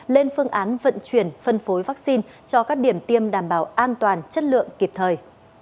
lên phương án vận chuyển phân phối vaccine cho các điểm tiêm đảm bảo an toàn chất lượng kịp thời